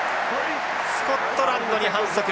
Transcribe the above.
スコットランドに反則。